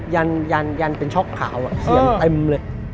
ยันยันเป็นช็อกขาวเสียงเต็มเลย